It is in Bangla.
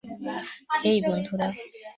হেই, বন্ধুরা।